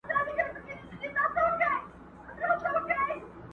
ستاسي ذات باندي جامې مو چي گنډلي،